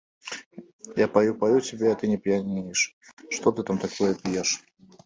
Я паю-паю цябе, а ты не п'янееш, што ты там такое п'еш?